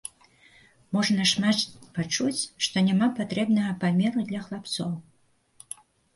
Можна шмат пачуць, што няма патрэбнага памеру для хлапцоў.